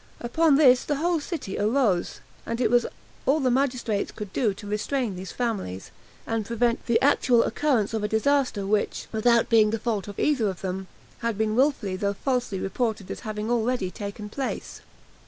Upon this the whole city arose, and it was all the magistrates could do to restrain these families, and prevent the actual occurrence of a disaster which, without being the fault of either of them, had been willfully though falsely reported as having already taken place.